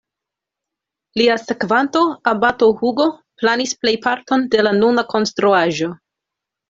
Lia sekvanto, abato Hugo, planis plejparton de la nuna konstruaĵo.